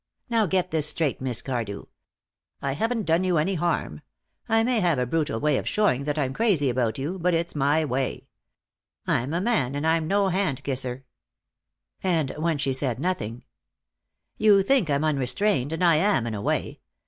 Now get this straight, Miss Cardew. I haven't done you any harm. I may have a brutal way of showing that I'm crazy about you, but it's my way. I'm a man, and I'm no hand kisser." And when she said nothing: "You think I'm unrestrained, and I am, in a way.